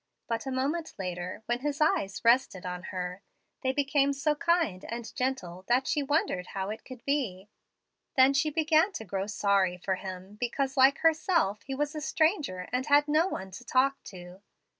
But a moment later, when his eyes rested on her, they became so kind and gentle that she wondered how it could be. Then she began to grow sorry for him because, like herself, he was a stranger and had no one to talk to.